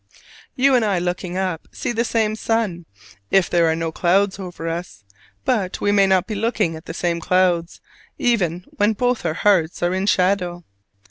You and I looking up see the same sun, if there are no clouds over us: but we may not be looking at the same clouds even when both our hearts are in shadow.